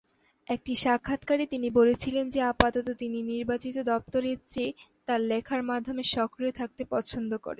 একটি সাক্ষাৎকারে তিনি বলেছিলেন যে আপাতত তিনি নির্বাচিত দপ্তরের চেয়ে তার লেখার মাধ্যমে সক্রিয় থাকতে পছন্দ করেন।